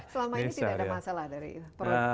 selama ini tidak ada masalah dari proyek